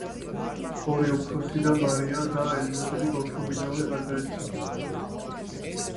ორი უფროსი და მარია და ელიზაბეთი ბავშვობაშივე გარდაეცვალა.